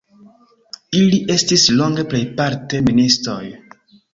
Ili estis longe plejparte ministoj.